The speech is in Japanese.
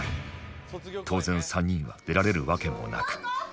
当然３人は出られるわけもなく